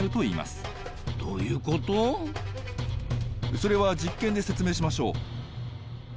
それは実験で説明しましょう。